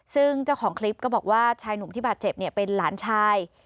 ซึ่งเจ้าของคลิปก็บอกว่าชายหนุ่มที่บาดเจ็บเป็นหลานชาย